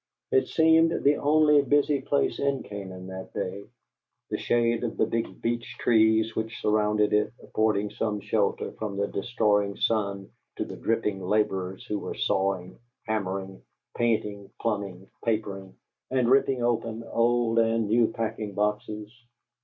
It seemed the only busy place in Canaan that day: the shade of the big beech trees which surrounded it affording some shelter from the destroying sun to the dripping laborers who were sawing, hammering, painting, plumbing, papering, and ripping open old and new packing boxes.